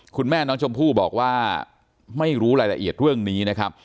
คุณแม่น้องชมพู่บอกว่าไม่รู้รายละเอียดเรื่องนี้นะครับ